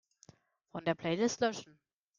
Von der Playlist löschen.